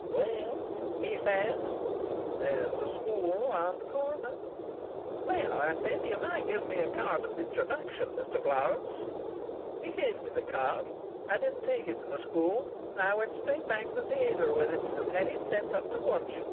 "'Well,' he said, 'there's a school round the corner.' "'Well,' I said, 'you might give me a card of introduction, Mr. Florance.' "He gave me the card. I didn't take it to the school. I went straight back to the theatre with it, and had it sent up to Wunch.